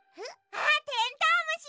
あテントウムシ！